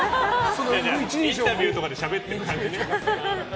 インタビューとかでしゃべってて。